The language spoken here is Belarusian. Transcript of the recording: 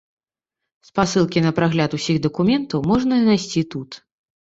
Спасылкі на прагляд усіх дакументаў можна знайсці тут.